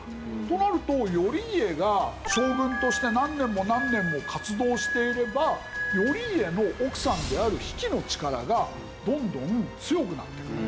となると頼家が将軍として何年も何年も活動していれば頼家の奥さんである比企の力がどんどん強くなってくる。